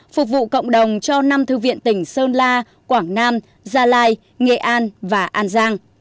phục vụ cộng đồng cho năm thư viện tỉnh sơn la quảng nam gia lai nghệ an và an giang